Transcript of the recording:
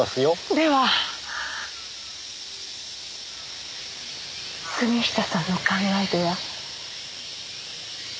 では杉下さんの考えでは桐野は。